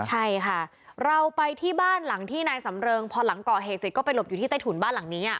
ใช่ค่ะเราไปที่บ้านหลังที่นายสำเริงพอหลังก่อเหตุเสร็จก็ไปหลบอยู่ที่ใต้ถุนบ้านหลังนี้